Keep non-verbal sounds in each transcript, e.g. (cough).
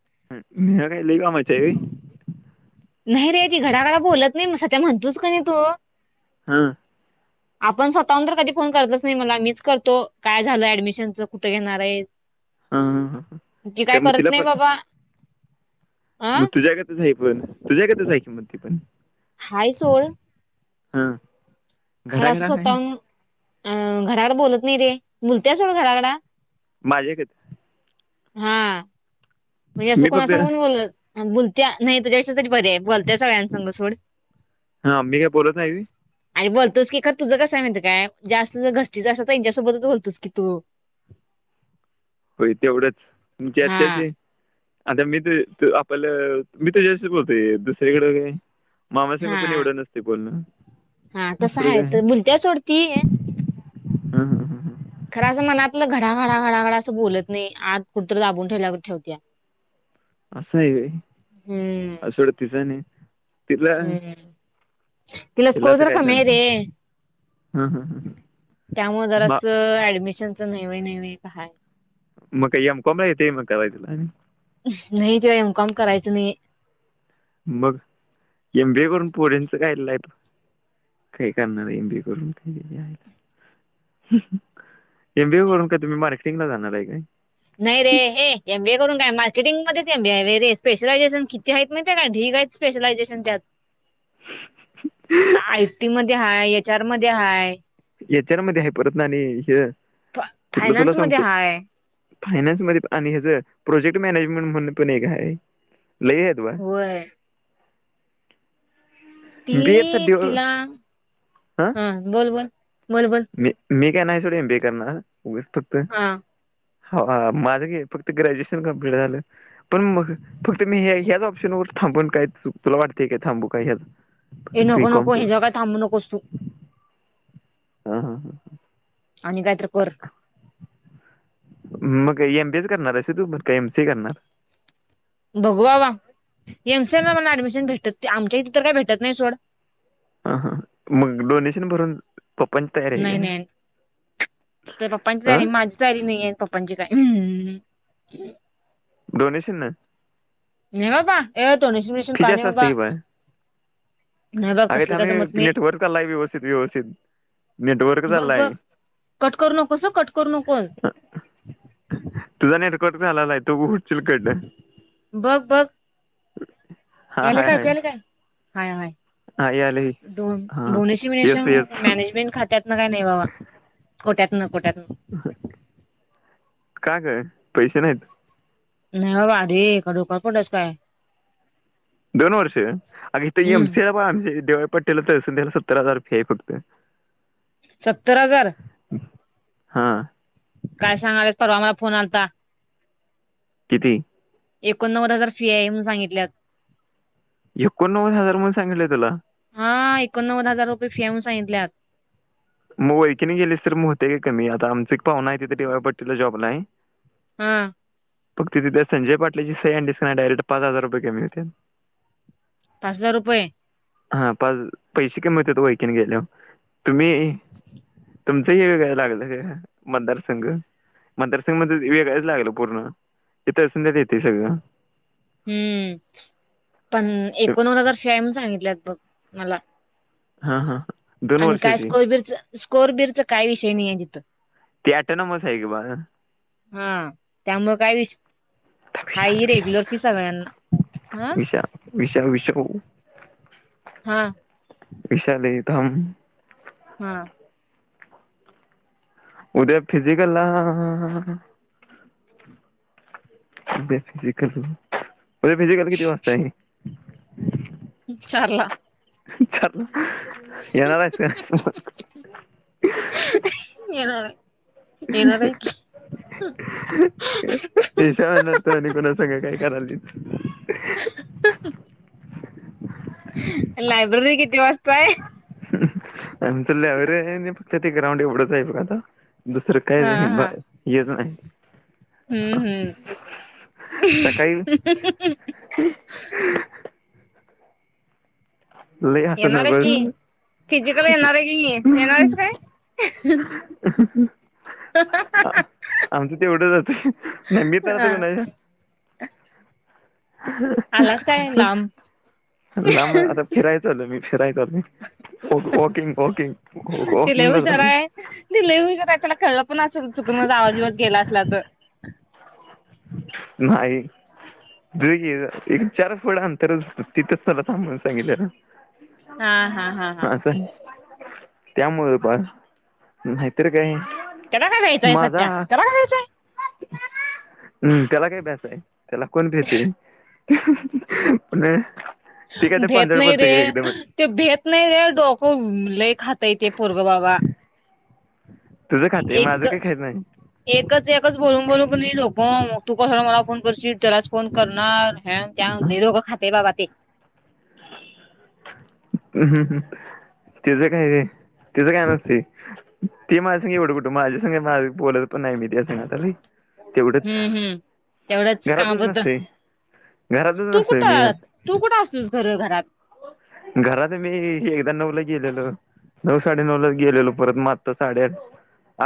(unintelligible) नाही रे ती घडाघाड बोलत नाही म सध्या म्हणतोस कि तू हम्म. आपण स्वतःहून तर कधी फोन करतच नाही मला मीच करतो काय झाल ऍडमिशनच कुठं घेणार आहे. हां हां हां हां. ती काय मग करत तिला नाही पण बाबा. अ मग तुझ्याकतच आहे पण तुझ्याकतच आहे किं म ती पण. हाय सोड. हा. खरं असं स्वतःहून अं गडगडा बोलत नाही रे बोलतेय सोडं गडा गडा. माझे क. हा म्हणजे अस मी कोणा फक्त सांगून हां बोल. बोलत्या नाही तुझ्या पेक्षा बरी आहे बोलत सगळ्यांसंग सोड. हा मी काय बोलत नाही होई. आणि बोलतोस की खर तुझं कसे माहिती काय जास्त घस्टीचं असत तर त्यांच्यासोबतच बोलतोस की तू (unintelligible) हो तेवढंच तुमच्या हा याच्याशी आता मी ते आपल्याला मी तच्याशी बोलतोय दुसरीयाकडे काय. मामा संघ हा पण एवढं नसते बोलणं. हा कसं दुसरं आहे काय तर बुलत्या सोडती. हा हं हम्म हम्म. खरं असं मनातलं घडघड घडघड असं बोलत नाही आत कुठतं दाबून ठेवल्यावर ठेवत्या. असं आहे हम्म का असडं तिस नाही. तथलं. हम्म तिला स्कोजर का मेरे हां हां हां हां. त्यामुळे जर मा अस ऍडमिशनच नैवे न काय. म काया एम कॅम आहे येत म. नाही तला एम काॅम करायचं नाही. मग एम बी ए करून पोरेच काय आहे. काही करणार एमबीए करून. एम बी वरून काय तुम्ही मार्केटिंग ला जाणार आहे काय. नाही रे, ये एम बी ए करून काय मार्केटिंग मध्येच एम बी ए आहे रे, स्पेशलायझेशन किती हायत माहित काय ढिग. (unintelligible) स्पेशलायझेशन त्यात, काय आय टी मध्ये हाय, एच आर मध्ये हाय. एच आर मध्ये हायत परतन आणि हे, कुठलं तुला फायनान्स मध्ये सांगतो. हाय फायन्स मध्ये आणि हेज, प्रोजेक्ट मॅनेजमेंट म्हणून पण एक हाय. लै हायत बाळ. होय ती एचा डेव तिला, हां हा बोल, बोल, बोल, बोल. मी मी काय नाही सोड एम बी ए‌ करणार उगस फक्त, हा हो माझं घे फक्त ग्रॅज्युएशन कंप्ललीट झालं, पण मग फक्त मी हे ह्याच ऑप्शन उरतो. थांबूण काय चूक तुला वाटते. काय थांबू काय ह्यात, हे नको नको हेचावर, काय थांबू नकोस तू. हा हा हा हा, आणि काय तर कर, मग एम बी एच करणार हायस होय तू. मग का एम सी करणार, बघू बाबा, एम सी एल ला मला ऍडमिशन भेटत आमच्या इथे तर काय भेटत नाही सोड, हां हां मग डोनेशन भरून, पप्पांची तयारी आहे का नाही नाही तर पप्पाची हां तयारी, माझी तयारी नाहीये आणि, पप्पाची काय, ह.. डोनेशन चं, नाही बाबा, ये तो डोनेशन बिनेशन काय नाही असते बाबा, की बा नाही बघ अगं तसलं काय थामये जमत नाही नेटवर्क चालाय. व्यवस्थित व्यवस्थित, नेटवर्क बघ बघ चालाय. कट करू नकोस, कट करू नकोन तुझा नेटकट बी हाला लाय तु बी उड, बघ बघ, हां याले हाय काय हाय ऐकू याले काय? हाय हाय हां यायला डोन.. हां डोनेशन येस बिनेशन येस मॅनेजमेंट खात्यात, मग काय नाही बाबा. कोट्यातन कोट्यातन, का गं पैसे नाहीत. नाही बाबा आधी, काय डोक्यावर पडला हायस काय, दोन वर्ष, अगं इथ हम्म एमसीए (unintelligible) पटेल तस त्याला सत्तर हजार रुपये फी आहे फक्त, सत्तर हजार, हा, काय सांगालायस परवा मला फोन आलता. किती, एकोणनव्वद हजार फी आहे, म्हणून सांगितल्यात. एकोणनव्वद हजार म्हणून सांगितलंय तुला, एकोन नव्वद हजार रुपये फी हाय म्हणून सांगितल्यात. मग ओळखीन गेलीस तर मग होतंय गं कमी आता. आमचं एक पाहुना आहे डी वाय पाटीलला जॉबला हाय. हा, फक्त तिथं, संजय पाटलांची सही आणलीस कणी डायरेक्ट पाच हजार रुपये कमी होण्यात. पाच हजार रुपये, हा पाच, पैसे कमी होत्यात वळखीन गेल्यावर तुम्ही, तुमचं ही हे, वेगळं लागलं गं मतदारसंघ. मतदारसंघ मध्ये वेगळंच लागलं पूर्ण (unintelligible) सगळं हम्म पण ते- एकोणनव्वद हजार फी आहे. म्हणून सांगितलेत बघ मला, हा हा, आणि काय स्कोरबीरच, स्कोरबीरच काय विषय नाही ये तिथं. ती ॲटोनॉमस आहे की बा आता हा, त्यामुळे काय विष हा विशाल विशाल रेग्युलर फी सगळ्यांना हा विशाल विशाल विशाल हा विशाली तम हा उद्या फिजिकलला ब फिजिकली म्हजे फिजिकल किती वाजता आहे चाारला चा येणार आहेच का मग येणार येणार हम शा म्हणार तो आणि कुणा सग काय करायली लायब्ररी किती वाजताय आमच लवर फक्त ते ग्राउंड एवढंच आहे बघ आता दुसरं हा काय हा यच नाही हम्म हम्म सकाळी ल अस ना येणार आहे ब की फिजिकल येणार आहे कि येणार आहेस काय आमचं तेवढंचातं नबत कोणाच्या ह अस लांब आता फिरायचं आल मी फिरायच आल म तिला वॉकिंगला चाललोय हुशाराय तिला हुशारय त्याला कळलं पण असेल क आवाजीबात गेला असला तर नाही ज एक चार फड आणंतर तिथंच मला थांबून सांगितलंला हा हा हा हा त्यामु पण नाहीतर काय कदा काय घ्यायचंय माझा सध्या करा काय घ्यायचंय हम् त्याला काय भ्यायचय त्याला कोण भ्याचय प भेेत नाही रे ते भेेत नाही रे डोक लई खात यते पूर्वबाबा तुझं खाते माझं एक काय खायचं नाही एकच एकच बोलून बोलू नाही ोक मग तू कसला मला फोन करसील त्यालाच फोन करणार त्या लोघं खाते बाबा ते ह तेच काय रे तिचं काय नसते.. ती माझ्या संग एवडं कुठं माझं काय नाही माझं... बोलत पण नाही मी (inaudible) तेवढंच... हम्म हम्म तेवढंच घरातच कामापुरतं नसतंय घरातच तू नसतोय मी... कुठं तू कुठं असतोस खरं घरात घरात... मी आत्ता नऊला गेलेलो... नऊ साडेनऊला गेलेलो परत मग आत्ता साडेआठ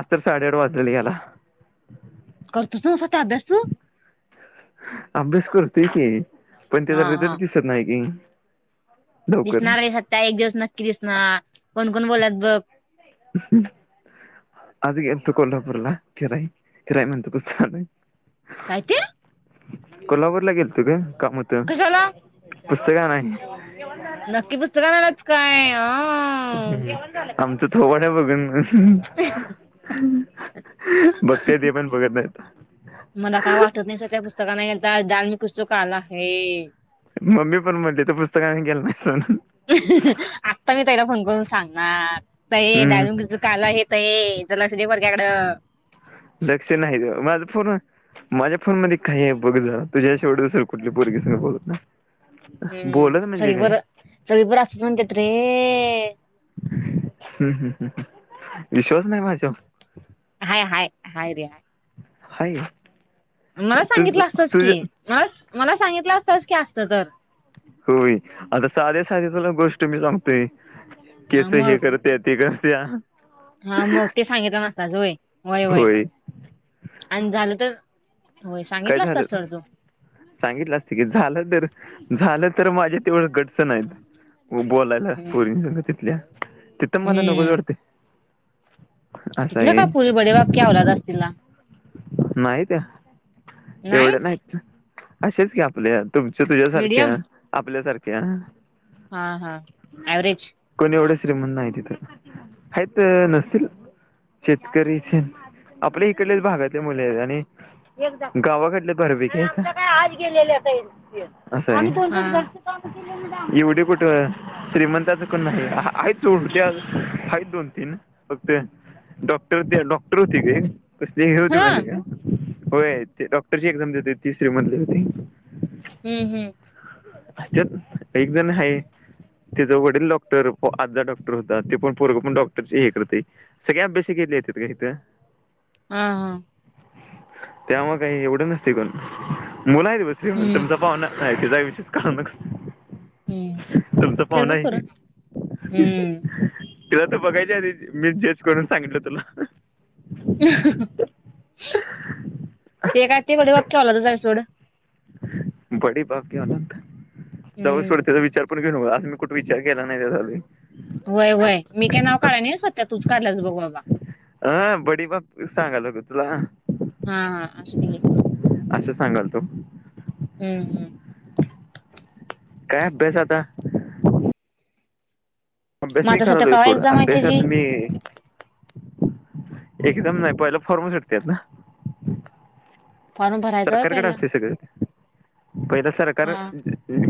आज तर साडेआठ वाजलेले यायला करतूस ना स्वतः अभ्यास तू अभ्यास करतोय की... पण त्याचा हा हा रिझल्ट दिसत नाही कि दिसणार आहे सत्या... एक दिवस नक्की दिसणार कोण कोण बोलल्यात बघ ह् (unintelligible) आज गेलतो कोल्हापूरला. फिराय.. फिराय म्हणतो काम ए काय ते कोल्हापूरला गेलतो ग... काम होतं... कशाला पुस्तकं आणायला नक्की पुस्तकं आणायलाच का.. हम्म आमचं थोबाड घ्या बघून.. हम्म... व्यवस्थित ए ह.. बघते ते पण बघत नाय मला काय वाटत नाही सध्या पुस्तकाने एक (unintelligible) पुस्तक (unintelligible) मम्मी पण म्हणली तू पुस्तक आणायला गेलता ना आता मी ताईला फोन करून सांगणार... ताये हम्म डाल कुछ तो काला है ताये जरा लक्ष दे पोरग्याकडं लक्ष नाही गं माझं पूर्ण माझ्या फोन मध्ये काही आहे बघ जरा... तुझ्या शिवाय दुसऱ्या कुठल्या पोरीसंग बोलत नाय हम्म सगळी पोरं... सगळी पोरं असंच म्हणत्यात रे हम्म... विश्वास नाही माझ्यावर हाय हाय.. हाय रे हाय हाय मला तुझ सांगितलं असतंच की... तुझ्या मग मला सांगितलं असतच की... असतं तर होय आता साध्या साध्या तुला गोष्ट मी सांगतोय हा, केस हे मग करत्या ते करत्या हा मग ते सांगितलं नसतास व्हय.. व्हय व्हय... होय अन झालं तर होय काय सांगितला झालं असतास तर तू सांगितलं असते की झालं तर... झालं तर माझ्यात तेवढं गट्स नाहीत हो बोलायला हम्म पोरीसंग तिथल्या.. तिथं मला नकोच हम्म वाटतंय तिथलं काय पोरी... बडे बाप की अवलाद असतीला नाही त्या.. एवढ्या नाहीत... असेल की आपल्या तुमच्या मीडियम तुझ्यासारख्या आपल्यासारख्या हा हा ऍव्हरेज कोणी एवढे श्रीमंत नायी तिथं.. (unintelligible) हायतं... नसतील शेतक (inaudible) (inaudible) आपल्या इकडलेच भागात मुले आहेत आणि (inaudible) गावाकडले बऱ्यापैकी.. अन आमच्याकडे आज गेलेले काही मुली आहे असं का... आम्ही हा कोणच घरचं काम (inaudible) एवढे कुठे श्रीमंताचं कोण नाही आहेत (inaudible) आहेत दोन तीन फक्त डॉक्टर.. डॉक्टर होती ग (inaudible) (inaudible) हा होय ते डॉक्टरची एक्झाम देत होती ती श्रीमंत होती... हम्म हम्म त्यांच्यात एक जण हाये त्याचा वडील डॉक्टर... आजा डॉक्टर होता ते पण पोरगं पण डॉक्टरची हे करते सगळ्या अभ्यास.. भ्यासाला येतात गं हितं हा हा त्यामुळे काही एवढं नसते कोण मुलं आहे (inaudible) हम्म तुमचा पाव्हणं नाही तिझा विषय काढू नका. हम्म तुमचं पाहुण त्याच आहेत पुरं ते. हम्म तिला तर बघायच्या आधीच मी चेंज करून सांगितलं तुला. ते काय (unintelligible) सोड बडी बाप की औलाद जाऊदे सोड हम्म त्याचा विचार पण. घेऊ नको आणि मी कुठ विचार केला नाही त्याचा अजून. व्हय व्हय मी काय नाव काढाय नाही सध्या तूच काढलास बघ बाबा. हा बडी बाप की सांगालोय गं तुला. हा हा असुदे घे असं सांगाल तो हम्म हम्म. काय अभ्यास आता. अभ्यास मग मी आता सध्या करालोय कवा सोड एक्झाम आहे अभ्यासात त्याची मी. एकदम नाही पहिला फॉर्म सुटत्यात ना. फॉर्म भरायचा व्हय सरकारकडे पहिला असतंय सगळ. पहिला सरकार. हा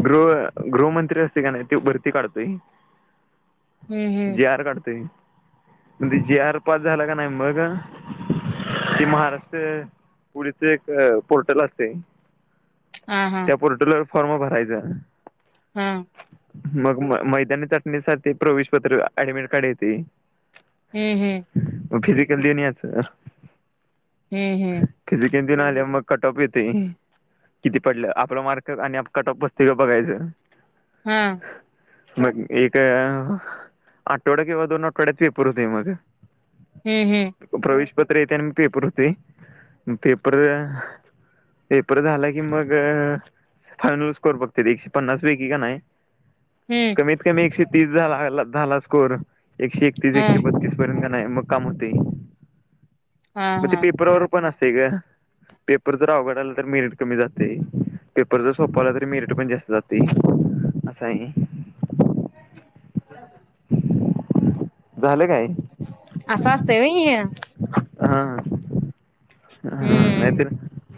गृह गृहमंत्री असते का नाही तो भरती काढतोय. हम्म हम्म जी आर काढतोय म ते जी आर पास झाला का नाही मग. ते महाराष्ट्र पुढचे. पोर्टल असतय हा हा त्या पोर्टलवर फॉर्म भरायचं. हा हम्म मग म मैदानी चाचणीसाठी प्रवेशपत्र ऍडमिट कार्ड येतय. हम्म हम्म. मग फिजिकल देऊन यायचं. हम्म हम्म. फिजिकल देऊन आल्यावर मग कट ऑफ येतोय. किती पडलं आपलं मार्क आणि कट ऑप बसतोय काय बघायचं. हा. मग एक आठवडा किंवा दोन आठवड्यात पेपर होतोय मग. हम्म हम्म. पत्र येतय आणि मग पेपर होतोय पेपर. पेपर झालं की मग. फायनल स्कोर बघत्यात एकशे पन्नास पैकी का नाही. हम्म कमीत कमी एकशे तीस झाला स्कोर एकशे एकतीस हा एकशे बत्तीस पर्यंत. नाही मग काम होतय हा मग ते हा पेपरवर पण असंतय गं. पेपर जर अवघड आला तर मेरीट कमी जातंय. पेपर जर सोपा आला तरी मेरीट पण जास्त जातंय असं आहे. (inaudible) झालं काय. असं असंतय होय हे. हा हा हा हम्म नाहीतर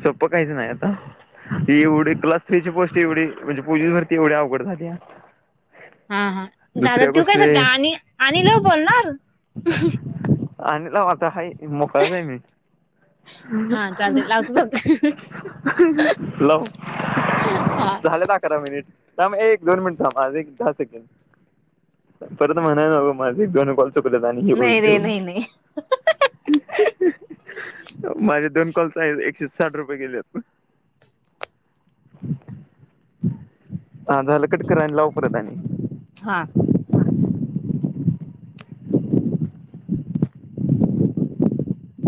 सोपं काहीच नाही आता. एवढी क्लास थ्री ची पोस्ट एवढी म्हणजे पोलीस भरती एवढी अवघड झाल्या. हा हा झालं ठेऊ काय (unintelligible) आणि आणि लावु बोलणार. आणि लाव आता हाय मोकळाच आहे मी. हा चालतंय लावतो बघ (unintelligible) लाव. हा झाल्यात अकरा मिनिट. थांब ए एक दोन मिनिट थांब माझं एक दहा सेकंद परत म्हणायलां नको माझं दोन कॉल. चुकलतं आणि हे होईल नाही ते रे होईल. नाही नाही माझे दोन कॉलस आहेत एकशे साठ रुपये गेलेत. (inaudible) हा झालं कट कर आणि लाव परत आणि. हां.